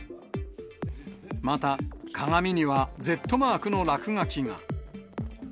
また、鏡にはＺマークの落書きが。